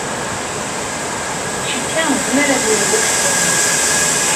Cikkeɣ nezmer ad neg deg-s laman.